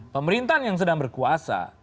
pemerintahan yang sedang berkuasa